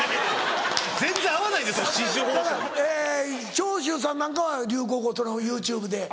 長州さんなんかは流行語ＹｏｕＴｕｂｅで。